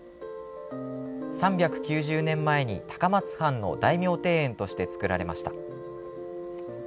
３９０年前に高松藩の大名庭園として造られました。